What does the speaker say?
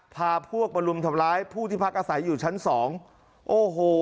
พาพวกมารุมทำร้ายผู้ที่พักอาศัยอยู่ชั้นสองโอ้โห